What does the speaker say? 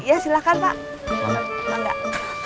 iya silakan pak